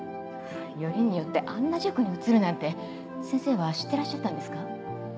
よりによってあんな塾に移るなんて先生は知ってらっしゃったんですか？